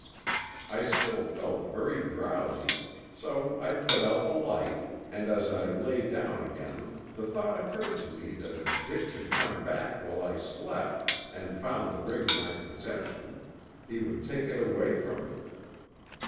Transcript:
"I still felt very drowsy, so I put out the light and as I lay down again the thought occurred to me that if Dick should come back while I slept and found the ring in my possession, he would take it away from me.